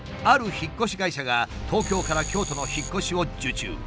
ある引っ越し会社が東京から京都の引っ越しを受注。